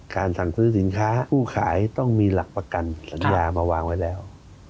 สั่งซื้อสินค้าผู้ขายต้องมีหลักประกันสัญญามาวางไว้แล้ว